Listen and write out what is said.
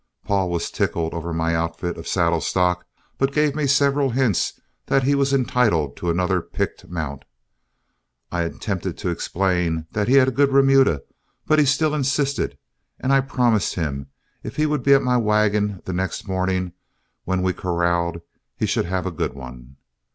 Paul was tickled over my outfit of saddle stock, but gave me several hints that he was entitled to another picked mount. I attempted to explain that he had a good remuda, but he still insisted, and I promised him if he would be at my wagon the next morning when we corralled, he should have a good one.